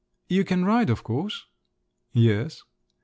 "You can ride, of course?" "Yes."